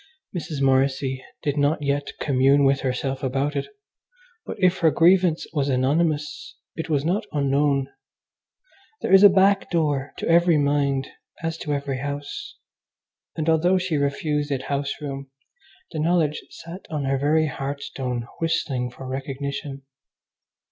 Mrs. Morrissy did not yet commune with herself about it, but if her grievance was anonymous it was not unknown. There is a back door to every mind as to every house, and although she refused it house room, the knowledge sat on her very hearthstone whistling for recognition.